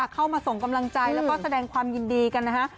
เข้ามาส่งกำลังใจแล้วก็แสดงความยินดีกันนะฮะ